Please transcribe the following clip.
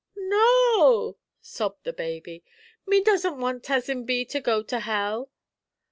"No," sobbed the baby; "me doesn't want Tuzzin Bee to go to hell!"